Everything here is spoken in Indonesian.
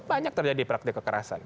banyak terjadi praktik kekerasan